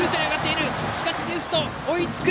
しかしレフト、追いつく！